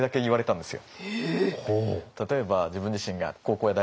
例えば自分自身が高校や大学